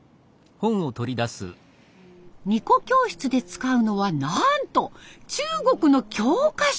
二胡教室で使うのはなんと中国の教科書！